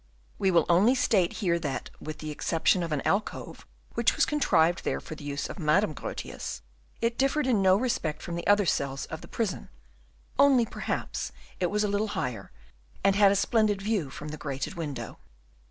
We will only state here that, with the exception of an alcove which was contrived there for the use of Madame Grotius, it differed in no respect from the other cells of the prison; only, perhaps, it was a little higher, and had a splendid view from the grated window.